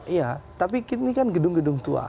iya tapi ini kan gedung gedung tua